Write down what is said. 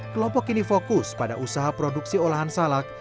kelompok ini fokus pada usaha produksi olahan salak